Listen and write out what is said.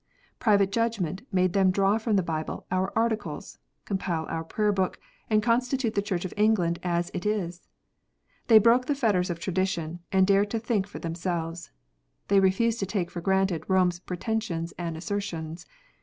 Private judgment made them draw from the Bible our Articles, compile our Prayer book, and constitute the Church of England as it is. They broke the fetters of tradition, and dared to think for themselves. They refused to take for granted Rome s preten sions and assertions.